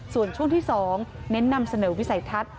ส่วนช่วงที่๒เน้นนำเสนอวิสัยทัศน์